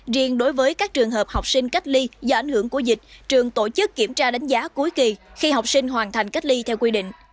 riêng đối với các trường hợp học sinh cách ly do ảnh hưởng của dịch trường tổ chức kiểm tra đánh giá cuối kỳ khi học sinh hoàn thành cách ly theo quy định